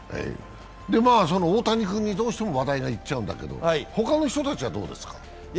大谷君にどうしても話題がいっちゃうんだけど、他の人たちはどうですか？